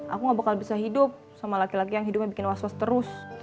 aku gak bakal bisa hidup sama laki laki yang hidupnya bikin was was terus